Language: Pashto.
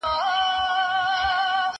زه پوښتنه نه کوم!!